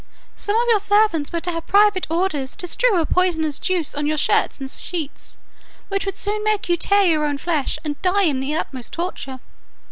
Some of your servants were to have private orders to strew a poisonous juice on your shirts and sheets, which would soon make you tear your own flesh, and die in the utmost torture.